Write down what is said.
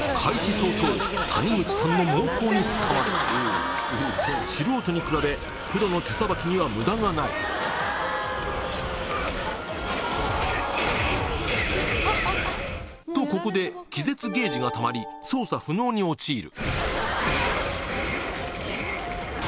早々谷口さんの猛攻に捕まる素人に比べプロの手さばきには無駄がないとここで気絶ゲージがたまり操作不能に陥る